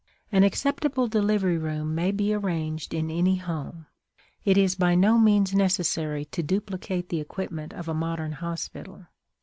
An acceptable delivery room may be arranged in any home; it is by no means necessary to duplicate the equipment of a modern hospital.